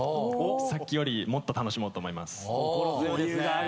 さっきよりもっと楽しもうと思います。